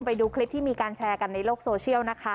ไปดูคลิปที่มีการแชร์กันในโลกโซเชียลนะคะ